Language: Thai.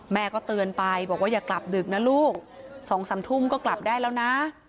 แม่ก็เตือนไปบอกว่าอย่ากลับดึกนะลูก๒๓ทุ่มก็กลับได้แล้วนะ